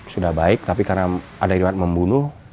sudah baik tapi karena ada iwan membunuh